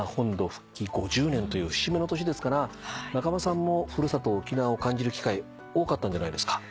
復帰５０年という節目の年ですから仲間さんも古里沖縄を感じる機会多かったんじゃないですか？